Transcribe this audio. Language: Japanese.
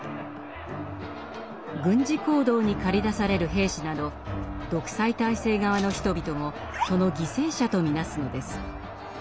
軍事行動に駆り出される兵士など独裁体制側の人々もその犠牲者と見なすのです。